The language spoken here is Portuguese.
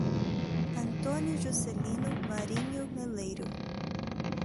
Antônio Juscelino Marinho Meleiro